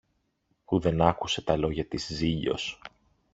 που δεν άκουσε τα λόγια της Ζήλιως.